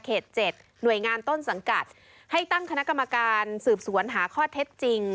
๗หน่วยงานต้นสังกัดให้ตั้งคณะกรรมการสืบสวนหาข้อเท็จจริง